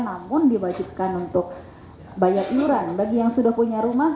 namun diwajibkan untuk bayar iuran bagi yang sudah punya rumah